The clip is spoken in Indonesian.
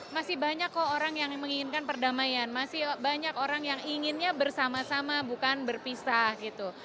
masih banyak kok orang yang menginginkan perdamaian masih banyak orang yang inginnya bersama sama bukan berpisah gitu